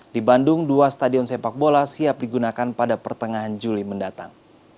di bandung dua stadion sepak bola siap digunakan pada pertengahan juli mendatang